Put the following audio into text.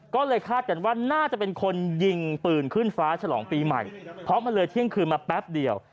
ก็เลยคาดกันว่าน่าจะเป็นคนยิงปืนขึ้นฟ้าฉลองปีใหม่เพราะมันเลยเที่ยงคืนมาแป๊บเดียว